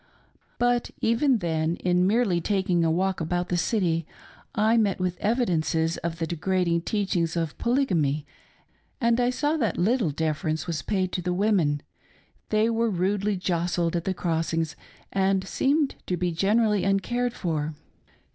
But even then, in merely taking a walk about the city, I met with evidences of the degrading teachings of Polygamy — I saw that little defer ence was paid to the women, they were rudely jostled at the crossings, and seemed to be generally uncared for.